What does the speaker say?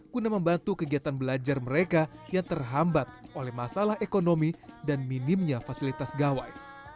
guna membantu kegiatan belajar mereka yang terhambat oleh masalah ekonomi dan minimnya fasilitas gawai